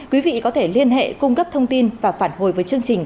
quý vị có thể liên hệ cung cấp thông tin và phản hồi với chương trình